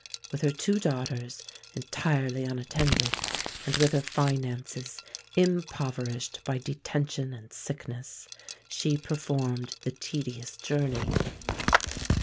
With her two daughters, entirely unattended, and with her finances impoverished by detention and sickness, she performed the tedious journey.